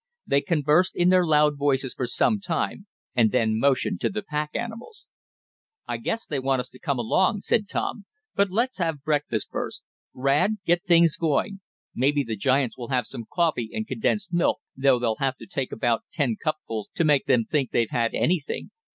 They conversed in their loud voices for some time, and then motioned to the pack animals. "I guess they want us to come along," said Tom, "but let's have breakfast first. Rad, get things going. Maybe the giants will have some coffee and condensed milk, though they'll have to take about ten cupsful to make them think they've had anything.